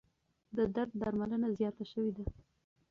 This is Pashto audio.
د درد درملنه زیاته شوې ده.